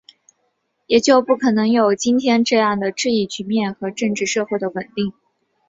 也就不可能有今天这样的治疫局面和政治社会的稳定